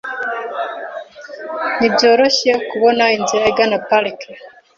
Ntibyoroshye kubona inzira igana parike.